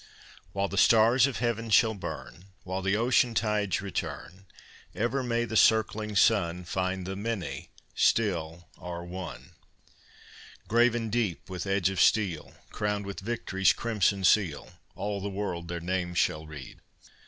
While the stars of heaven shall burn, While the ocean tides return, Ever may the circling sun Find the Many still are One! Graven deep with edge of steel, Crowned with Victory's crimson seal, All the world their names shall read!